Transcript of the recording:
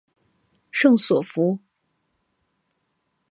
圣索弗。